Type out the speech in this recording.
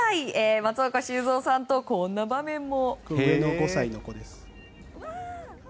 松岡修造さんと、こんな場面も。